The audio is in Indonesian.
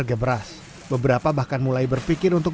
kalo pesen beras lima ton harganya segini berani nggak